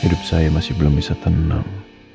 hidup saya masih belum bisa tenang